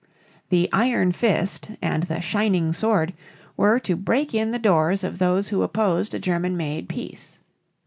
The "iron fist" and the "shining sword" were to break in the doors of those who opposed a German made peace.